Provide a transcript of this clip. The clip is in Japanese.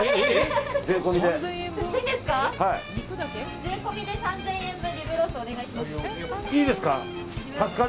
税込みで３０００円分リブロースお願いします。